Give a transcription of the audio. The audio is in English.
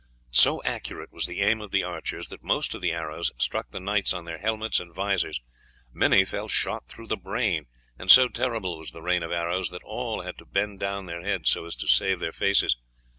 So accurate was the aim of the archers, that most of the arrows struck the knights on their helmets and vizors. Many fell shot through the brain, and so terrible was the rain of arrows that all had to bend down their heads so as to save their faces.